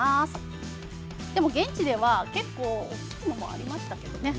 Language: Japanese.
現地では結構大きいものもありましたけどね。